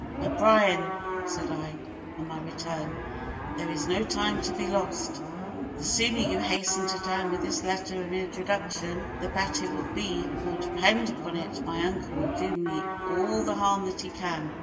"O'Brien," said I, on my return, "there is no time to be lost; the sooner you hasten to town with this letter of introduction, the better it will be, for depend upon it my uncle will do me all the harm that he can."